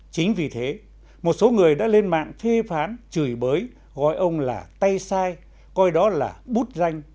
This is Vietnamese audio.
chính vì thế một số người đã lên mạng phê phán chửi bới gọi ông là tay sai coi đó là bút danh